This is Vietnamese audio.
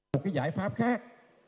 một cái giải pháp khác